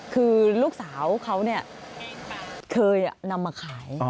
คือลูกสาวเขาเคยนำมาขาย